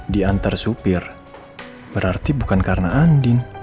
diantar supir berarti bukan karena andin